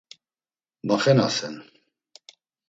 Maxenasen.